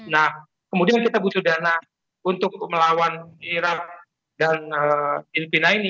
nah kemudian kita butuh dana untuk melawan irak dan filipina ini